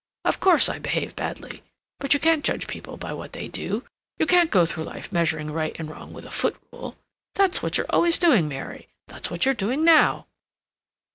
"Of course I behave badly; but you can't judge people by what they do. You can't go through life measuring right and wrong with a foot rule. That's what you're always doing, Mary; that's what you're doing now."